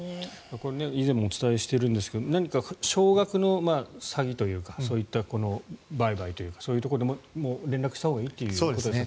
これ、以前もお伝えしているんですが何か少額の詐欺というかそういった売買というかそういうところでももう連絡したほうがいいということですね。